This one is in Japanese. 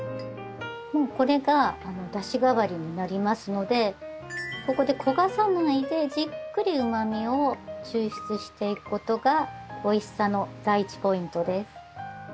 もうこれがだし代わりになりますのでここで焦がさないでじっくりうまみを抽出していくことがおいしさの第１ポイントです。